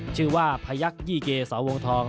ชื่อว่าพยักษยี่เกสวงทอง